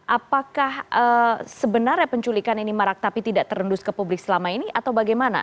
apakah sebenarnya penculikan ini marak tapi tidak terendus ke publik selama ini atau bagaimana